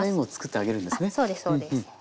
あっそうですそうです。